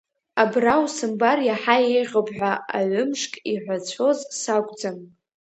Абра усымбар иаҳа еиӷьуп ҳәа аҩымшк иҳәацәоз сакәӡам.